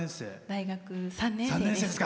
大学３年生です。